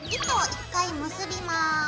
糸を１回結びます。